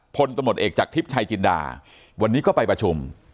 พลตำรวจเอกจากทิพย์ชายจินดาวันนี้ก็ไปประชุม